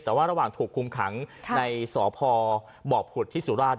แต่ว่าระหว่างถูกคุมขังในสพบผุดที่สุราช